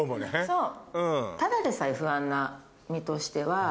そう。